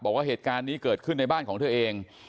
บอกว่าเหตุการณ์นี้เกิดขึ้นในบ้านของเธอเอง